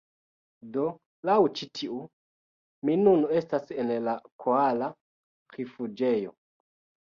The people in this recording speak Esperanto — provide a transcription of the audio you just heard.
Do, laŭ ĉi tiu, mi nun estas en la koala rifuĝejo.